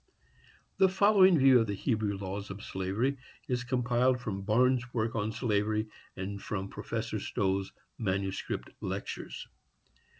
The following view of the Hebrew laws of slavery is compiled from Barnes' work on slavery, and from Professor Stowe's manuscript lectures.